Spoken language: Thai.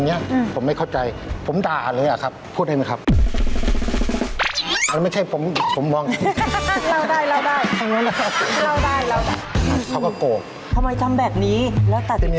เขาไม่ใช้อาวุธแล้วคือร่างกายแล้ว